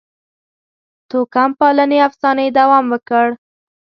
توکم پالنې افسانې دوام وکړ.